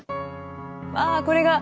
わあこれが。